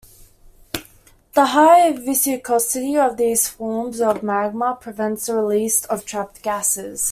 The high viscosity of these forms of magma prevents the release of trapped gases.